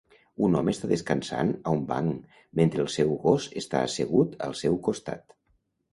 Un home està descansant a un banc mentre el seu gos està assegut al seu costat.